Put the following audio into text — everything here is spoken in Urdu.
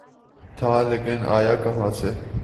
تھا‘ لیکن آیا کہاں سے؟